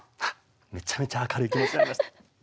めちゃめちゃ明るい気持ちになりました。